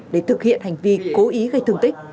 để thực hiện hành vi cố ý gây thương tích